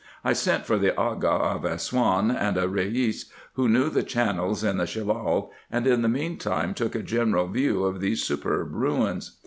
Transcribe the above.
I sent for the Aga of Assouan, and a Keis who knew the channels in the Shellal, and in the mean time took a general view of these superb ruins.